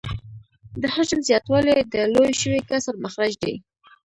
د حجم زیاتوالی د لوی شوي کسر مخرج دی